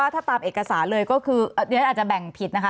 ถ้าตามเอกสารเรียนจะแบ่งผิดนะคะ